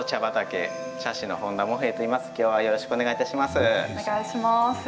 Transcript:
今日はよろしくお願いいたします。